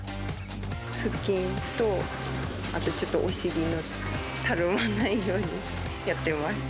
腹筋と、あとちょっとお尻の、たるまないようにやってます。